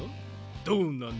どうなの？